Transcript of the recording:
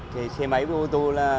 xe máy với ô tô là